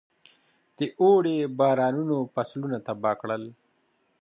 د اوړي بارانونو فصلونه تباه کړل.